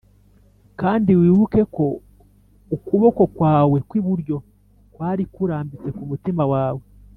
kandi wibuke ko ukuboko kwawe kwiburyo kwari kurambitse kumutima wawe!!